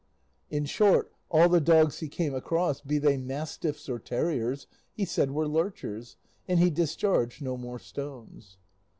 In short, all the dogs he came across, be they mastiffs or terriers, he said were lurchers; and he discharged no more stones.